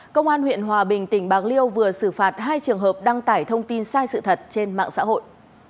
công an huyện hòa bình tỉnh bạc liêu vừa xử phạt hai trường hợp đăng tải thông tin sai sự thật trên mạng xã hội